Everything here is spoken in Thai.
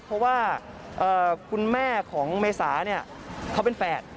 เพราะว่าคุณแม่ของเมษาเนี่ยเขาเป็นแฝด